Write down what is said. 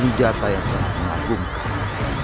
seri jatah yang sangat mengagumkan